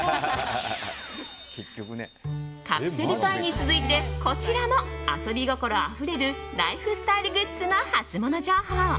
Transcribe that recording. カプセルトイに続いてこちらも遊び心あふれるライフスタイルグッズのハツモノ情報。